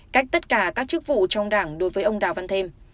cách tất cả các chức vụ trong đảng đối với ông đào văn thêm